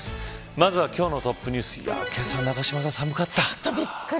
まずは今日のトップニュースけさ、永島さん、寒かった。